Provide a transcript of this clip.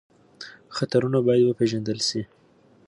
خطرونه باید وپېژندل شي.